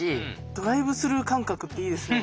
ドライブスルー感覚っていいですよね。